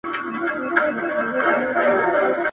نه یې جوش د ګل غونډۍ سته نه یې بوی د کابل جان دی ..